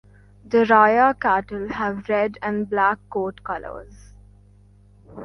The Raya cattle have red and black coat colours.